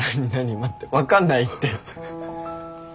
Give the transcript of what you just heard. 待って分かんないって。